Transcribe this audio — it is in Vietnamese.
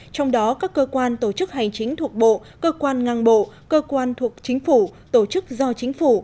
trong đó các cơ quan tổ chức hành chính thuộc bộ cơ quan ngang bộ cơ quan thuộc chính phủ tổ chức do chính phủ